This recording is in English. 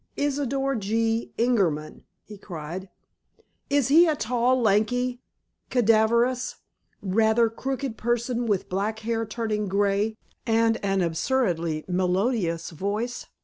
"Isidor G. Ingerman?" he cried. "Is he a tall, lanky, cadaverous, rather crooked person, with black hair turning gray, and an absurdly melodious voice?"